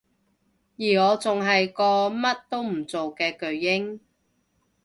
而我仲係個乜都唔做嘅巨嬰